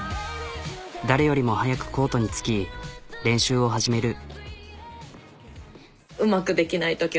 誰よりも早くコートに着き練習を始める。